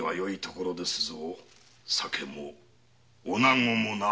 酒も女子もな。